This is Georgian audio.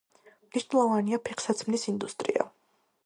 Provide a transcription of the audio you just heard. მნიშვნელოვანია ფეხსაცმლის ინდუსტრია.